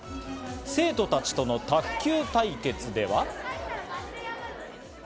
生徒たちとの卓球対決では。